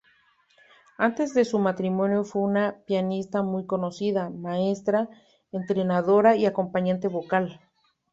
Antes de su matrimonio fue una pianista muy conocida, maestra, entrenadora y acompañante vocal.